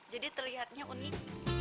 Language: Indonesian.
jadi terlihatnya unik